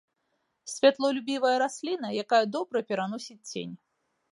Святлолюбівая расліна, якая добра пераносіць цень.